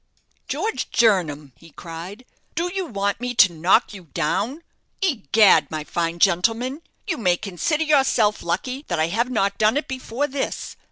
"George Jernam," he cried, "do you want me to knock you down? Egad, my fine gentleman, you may consider yourself lucky that I have not done it before this.